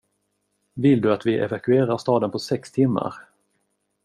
Vill du att vi evakuerar staden på sex timmar?